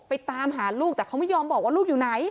ตามหาลูกแต่เขาไม่ยอมบอกว่าลูกอยู่ไหน